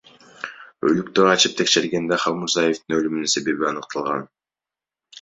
Өлүктү ачып текшергенде Халмурзаевдин өлүмүнүн себеби аныкталган.